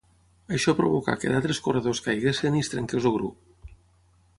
Això provocà que d'altres corredors caiguessin i es trenqués el grup.